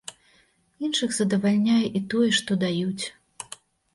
Іншых задавальняе і тое, што даюць.